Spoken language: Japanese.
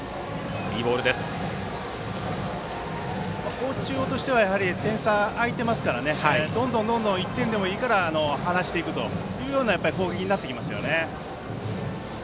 高知中央としては点差が開いていますからどんどん１点でもいいから離していくような攻撃になってきますね。